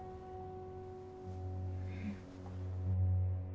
うん。